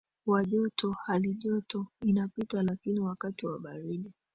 wa joto halijoto inapita lakini wakati wa baridi